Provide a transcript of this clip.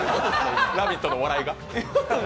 「ラヴィット！」の笑いが？